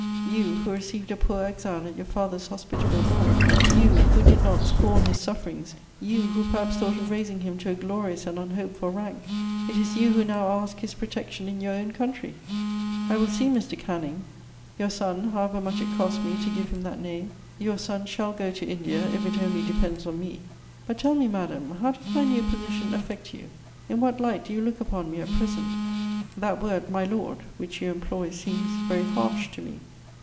You, who received a poor exile at your father's hospitable board; you, who did not scorn his sufferings; you, who perhaps thought of raising him to a glorious and unhoped for rank: it is you who now ask his protection in your own country! I will see Mr. Canning; your son, however much it costs me to give him that name, your son shall go to India, if it only depends on me. But tell me, madam, how does my new position affect you? In what light do you look upon me at present? That word, 'my lord,' which you employ seems very harsh to me."